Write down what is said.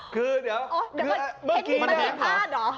คือเดี๋ยวเมื่อกี้เนี่ยเมื่อกี้มันเห็นพลาดเหรอ